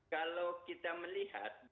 kalau kita melihat